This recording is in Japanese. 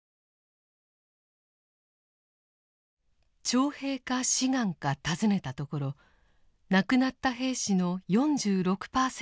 徴兵か志願か尋ねたところ亡くなった兵士の４６％が「志願」でした。